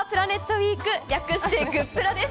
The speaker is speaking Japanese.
ウィーク、略してグップラです。